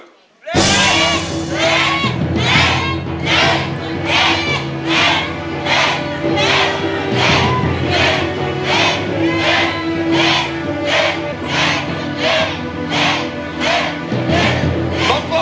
หลบว่า